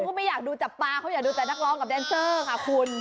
เขาไม่อยากดูจับปลาเขาอยากดูแต่นักร้องกับแดนเซอร์ค่ะคุณ